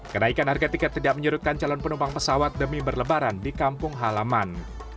kenaikan harga tiket tidak menyerutkan calon penumpang pesawat demi berlebaran di kampung halaman